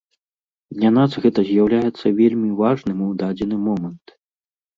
Для нас гэта з'яўляецца вельмі важным у дадзены момант.